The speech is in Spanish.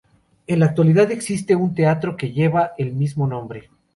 En la actualidad existe un teatro que lleva el mismo nombre.